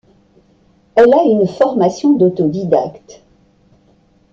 Elle a une formation d’autodidacte.